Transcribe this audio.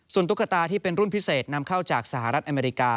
ตุ๊กตาที่เป็นรุ่นพิเศษนำเข้าจากสหรัฐอเมริกา